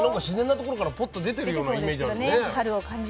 自然なところからポッと出てるようなイメージあるよね。